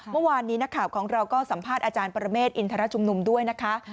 เมื่อวานนี้นักข่าวของเราก็สัมภาษณ์อาจารย์ปรเมฆอินทรชุมนุมด้วยนะคะ